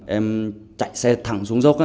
em chạy xe thẳng xuống dốc